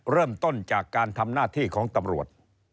เริ่มต้นจากการทำหน้าที่ของตำรวจ